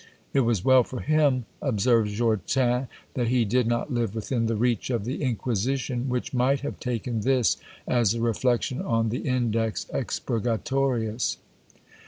It was well for him, observes Jortin, that he did not live within the reach of the Inquisition, which might have taken this as a reflection on the Index Expurgatorius.